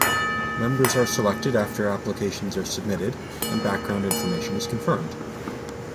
Members are selected after applications are submitted and background information is confirmed.